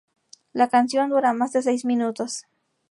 La canción dura más de seis minutos.